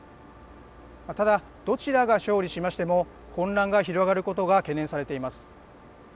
ただ、どちらが勝利しましても、混乱が広がることが懸念されています。